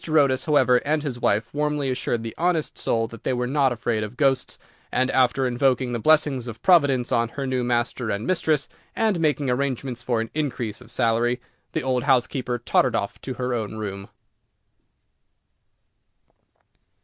Otis, however, and his wife warmly assured the honest soul that they were not afraid of ghosts, and, after invoking the blessings of Providence on her new master and mistress, and making arrangements for an increase of salary, the old housekeeper tottered off to her own room.